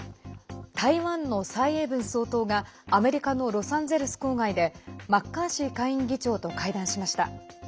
台湾の蔡英文総統がアメリカのロサンゼルス郊外でマッカーシー下院議長と会談しました。